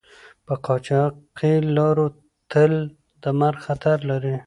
په قاچاقي لارو تل د مرګ خطر لری